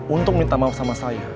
untuk minta maaf sama saya